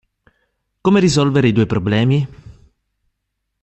Come risolvere i due problemi?